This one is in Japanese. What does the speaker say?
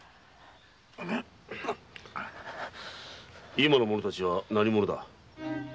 今の者たちは何者だ？